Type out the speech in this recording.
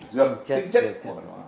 dường tinh chất của nó